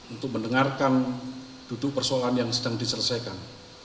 untuk mendengarkan duduk persoalan yang sedang diselesaikan